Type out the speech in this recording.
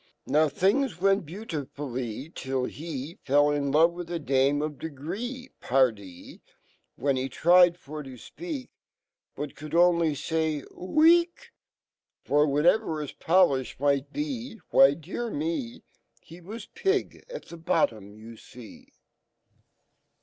Now.fhings went beau ti ful ly, Till he Fell in love with a dame of degree; Pardie ,' "When he tried for tofpe/ak, But could only fayrOw e e kr* whatever hii poii/h might be, Why, dear me! He was pig at the bottom ,yu fee.